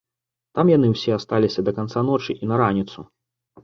Там яны ўсе асталіся да канца ночы і на раніцу.